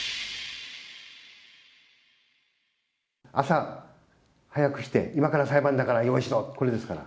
朝早く来て、今から裁判だから、用意しろ、これですから。